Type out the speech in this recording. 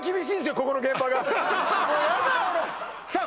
ここの現場がもうヤダ俺さあ